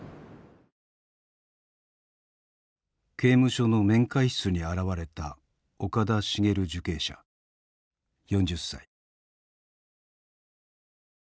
刑務所の面会室に現れた岡田茂受刑者４０歳。